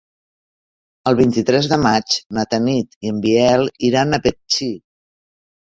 El vint-i-tres de maig na Tanit i en Biel iran a Betxí.